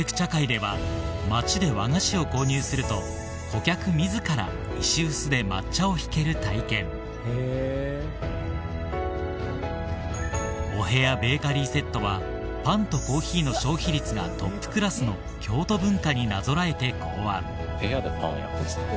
では街で和菓子を購入すると顧客自ら石臼で抹茶を挽ける体験はパンとコーヒーの消費率がトップクラスの京都文化になぞらえて考案